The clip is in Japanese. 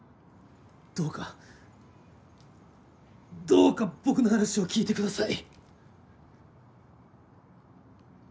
どうかどうか僕の話を聞いてください。